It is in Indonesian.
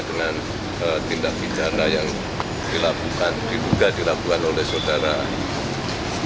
dengan tindak pidana yang dilakukan diduga dilakukan oleh saudara